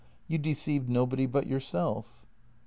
You deceived nobody but yourself."